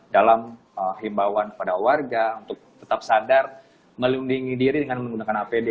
dalam himbawan kepada warga untuk tetap sadar melindungi diri dengan menggunakan apd